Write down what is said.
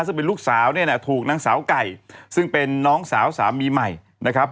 ซึ่งเป็นลูกสาวเนี่ยนะถูกนางสาวไก่ซึ่งเป็นน้องสาวสามีใหม่นะครับ